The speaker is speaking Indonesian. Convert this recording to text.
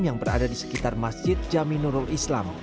yang berada di sekitar masjid jaminul islam